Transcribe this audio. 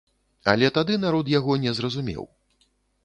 Але тады народ яго не зразумеў.